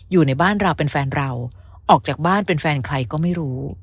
อยู่ในบ้านเราเป็นแฟนเราออกจากบ้านเป็นแฟนใครก็ไม่รู้